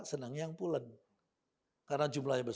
senang yang pulen karena jumlahnya besar